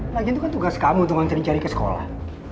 lagian tuh kan tugas kamu untuk ngantriin cari ke sekolah